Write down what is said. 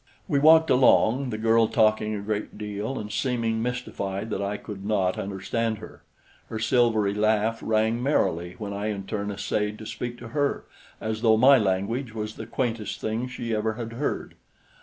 We walked along, the girl talking a great deal and seeming mystified that I could not understand her. Her silvery laugh rang merrily when I in turn essayed to speak to her, as though my language was the quaintest thing she ever had heard.